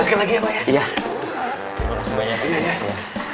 terima kasih banyak